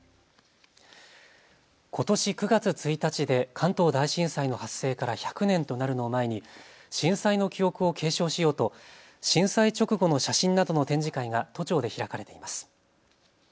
ことし９月１日で関東大震災の発生から１００年となるのを前に震災の記憶を継承しようと震災直後の写真などの展示会が都庁で開かれています。